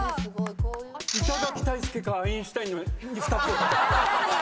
「板垣退助」か「アインシュタイン」の２つでした。